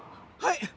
はい。